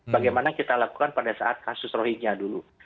bagaimana kita lakukan pada saat kasus rohinya dulu